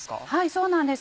そうなんです